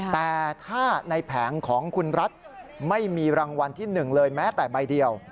แต่ถ้าในแผงของคุณรัฐไม่มีรางวัลที่๑เลยแม้แต่ใบเดียว